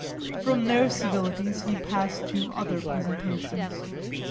From their civilities he passed to other presentations.